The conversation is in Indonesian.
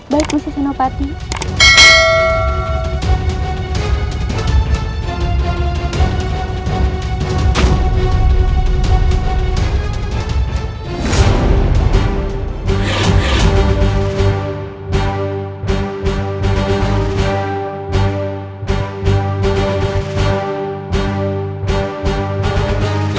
baik bu susino pati